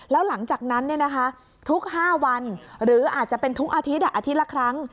แล้วหลังจากนั้นทุก๕วันหรืออาจจะเป็นทุกอาทิตย์อาทิตย์ละครั้ง